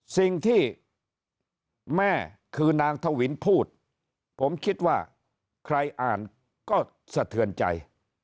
สิ่งที่แม่คือนางทวินพูดผมคิดว่าใครอ่านก็สะเทือนใจ